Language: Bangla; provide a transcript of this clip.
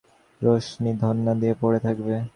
রোশনি, দে ওকে ঐ কাপড়টা, নইলে ও ধন্না দিয়ে পড়ে থাকবে।